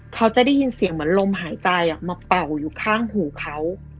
เขาจะได้ยินเสียงเหมือนลมหายใจมาเป่าอยู่ข้างหูเขา